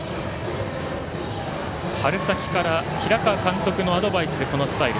春先から平川監督のアドバイスでこのスタイル。